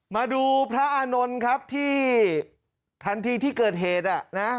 มาดูพระอานนท์ครับที่ทันทีที่เกิดเหตุอ่ะนะ